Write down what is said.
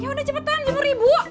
ya udah cepetan jemur ibu